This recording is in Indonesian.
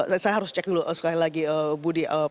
saya harus cek dulu sekali lagi budi